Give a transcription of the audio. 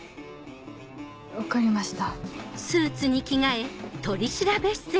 分かりました。